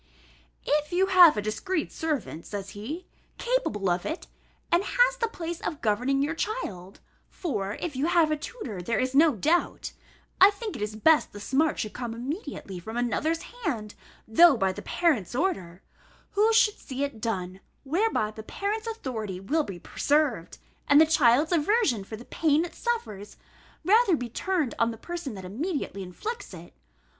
"If you have a discreet servant," says he, "capable of it, and has the place of governing your child (for if you have a tutor, there is no doubt), I think it is best the smart should come immediately from another's hand, though by the parent's order, who should see it done, whereby the parent's authority will be preserved, and the child's aversion for the pain it suffers, rather be turned on the person that immediately inflicts it.